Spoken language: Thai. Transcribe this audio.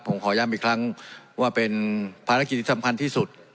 ผมขอย้ำอีกครั้งว่าเป็นภารกิจที่สำคัญที่สุด